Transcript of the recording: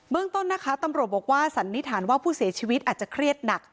ต้นนะคะตำรวจบอกว่าสันนิษฐานว่าผู้เสียชีวิตอาจจะเครียดหนัก